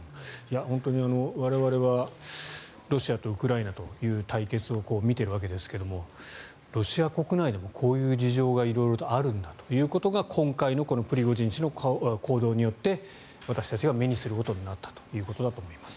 本当に、我々はロシアとウクライナという対決を見ているわけですがロシア国内でもこういう事情が色々とあるんだということが今回のプリゴジン氏の行動によって私たちが目にすることになったということだと思います。